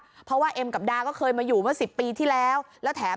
เพราะว่าเอ็มกับดาก็เคยมาอยู่เมื่อสิบปีที่แล้วแล้วแถม